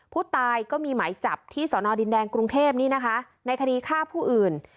ผู้ตายก็มีหมายจับที่สดินแดงกรุงเทพฯในคณีฆ่าผู้อื่น